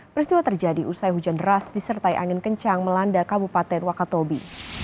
peristiwa terjadi usai hujan deras disertai angin kencang melanda kabupaten wakatobi